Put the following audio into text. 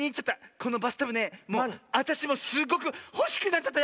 このバスタブねあたしもすっごくほしくなっちゃった